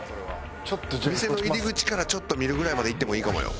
店の入り口からちょっと見るぐらいまで行ってもいいかもよ。